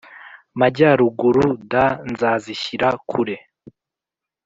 Majyaruguru d nzazishyira kure